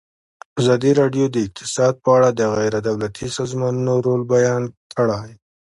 ازادي راډیو د اقتصاد په اړه د غیر دولتي سازمانونو رول بیان کړی.